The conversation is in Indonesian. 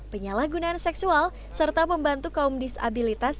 penyalahgunaan seksual serta membantu kaum disabilitas